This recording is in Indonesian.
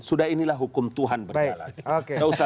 sudah inilah hukum tuhan berjalan